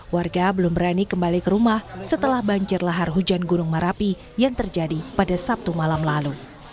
warga belum berani kembali ke rumah setelah banjir lahar hujan gunung merapi yang terjadi pada sabtu malam lalu